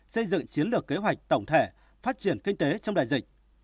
xây dựng chiến lược kế hoạch tổng thể phát triển kinh tế trong đại dịch